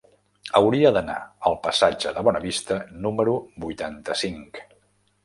Hauria d'anar al passatge de Bonavista número vuitanta-cinc.